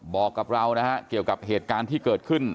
บอกกับเรานะฮะเกี่ยวกับเหตุการณ์ที่เกิดขึ้น